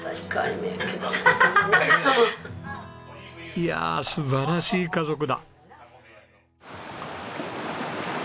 いやあ素晴らしい家族だ。